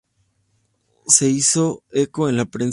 Se hizo eco en la prensa.